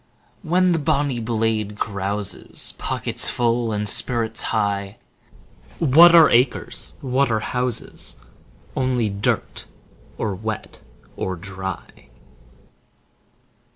20 When the bonny blade carouses, Pockets full, and spirits high— What are acres? What are houses? Only dirt, or wet or dry.